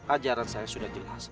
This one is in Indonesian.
ajaran saya sudah jelas